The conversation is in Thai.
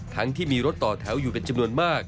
ทั้งที่มีรถต่อแถวอยู่เป็นจำนวนมาก